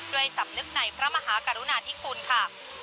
ด้วยสำนึกในพระมหากรุณาที่คุณค่ะ